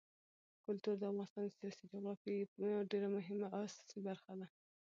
کلتور د افغانستان د سیاسي جغرافیې یوه ډېره مهمه او اساسي برخه ده.